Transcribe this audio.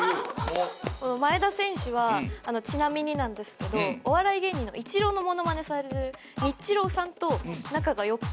前田選手はちなみになんですけどお笑い芸人のイチローのモノマネされてるニッチローさんと仲が良くて。